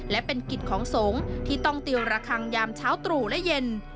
และเป็นกิจของสงฆ์ที่ต้องติวระคังยามเช้าตรู่และเย็น